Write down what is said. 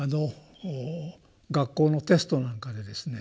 学校のテストなんかでですね